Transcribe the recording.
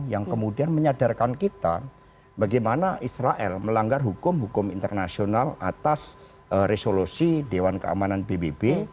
yang kemudian menyadarkan kita bagaimana israel melanggar hukum hukum internasional atas resolusi dewan keamanan pbb